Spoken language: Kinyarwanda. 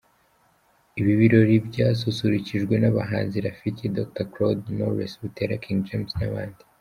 Ibi birori byasusurukijwe n’abahanzi Rafiki, Dr Claude, Knowles Butera, King James n’abandi.